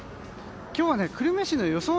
今日は久留米市の予想